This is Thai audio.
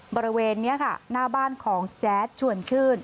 บริเวณนี้ค่ะหน้าบ้านของแจ๊ดชวนชื่น